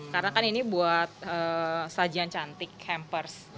karena kan ini buat sajian cantik hampers